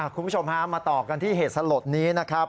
คุณผู้ชมฮะมาต่อกันที่เหตุสลดนี้นะครับ